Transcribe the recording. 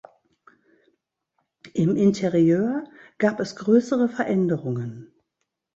Im Interieur gab es größere Veränderungen.